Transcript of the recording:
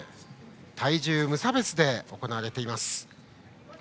体重無差別で行われています。